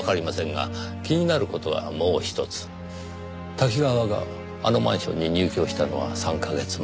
瀧川があのマンションに入居したのは３カ月前。